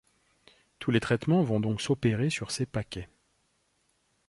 Tous les traitements vont donc s'opérer sur ces paquets.